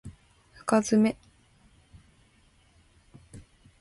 深爪